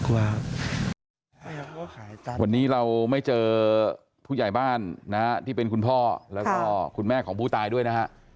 วันนี้เราไม่เจอผู้ใหญ่บ้านนะฮะที่เป็นคุณพ่อแล้วก็คุณแม่ของผู้ตายด้วยนะฮะ